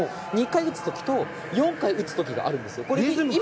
２回打つ時と４回打つ時があるんです。